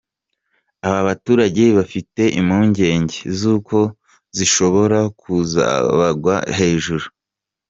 Aba baturage bafite impungenge z’uko zishobora kuzabagwa hejuru.